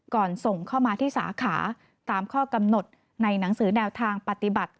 ส่งเข้ามาที่สาขาตามข้อกำหนดในหนังสือแนวทางปฏิบัติ